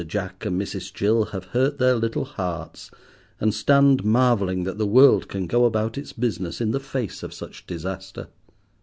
Jack and Mrs. Jill have hurt their little hearts, and stand marvelling that the world can go about its business in the face of such disaster.